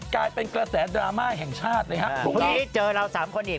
กลายเป็นกระแสดราม่าแห่งชาติเลยครับพรุ่งนี้เจอเราสามคนอีก